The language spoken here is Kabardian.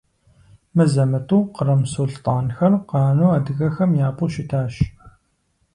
Мызэ-мытӀэу кърым сулътӀанхэр къану адыгэхэм япӀу щытащ.